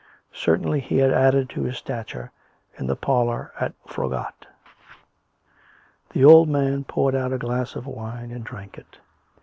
... Certainly he had added to his stature in the parlour at Froggatt. The old man poured out a glass of wine and drank it.